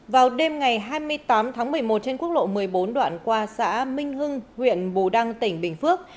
vào đêm ngày hai mươi tám tháng một mươi một trên quốc lộ một mươi bốn đoạn qua xã minh hưng huyện bù đăng tỉnh bình phước